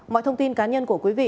mọi thông tin cá nhân của quý vị